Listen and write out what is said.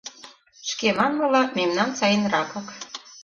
Шке манмыла, мемнан семынракак.